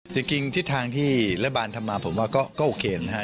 จริงทิศทางที่ระดาษบานทับมาก็โอเคนะครับ